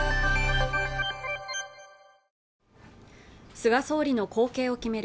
菅総理の後継を決める